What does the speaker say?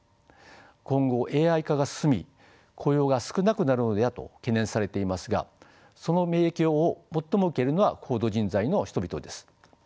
今後ＡＩ化が進み雇用が少なくなるのではと懸念されていますがその影響を最も受けるのは高度人材の人々です。